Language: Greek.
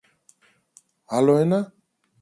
Άλλο ένα;